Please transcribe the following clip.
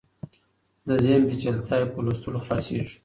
د ذهن پېچلتیاوې په لوستلو خلاصیږي.